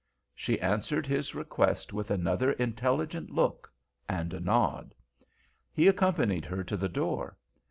She answered his request with another intelligent look and a nod. He accompanied her to the door.